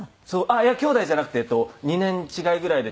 いやきょうだいじゃなくてえっと２年違いぐらいで。